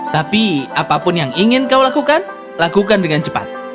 tapi apapun yang ingin kau lakukan lakukan dengan cepat